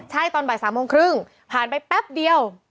ใช่ตอนบ่าย๓โมงครึ่งผ่านไปแป๊บเดียว